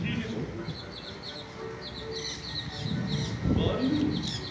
バルドゥール。